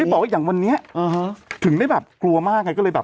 บอกว่าอย่างวันนี้ถึงได้แบบกลัวมากไงก็เลยแบบ